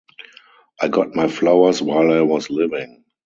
I got my flowers while I was living.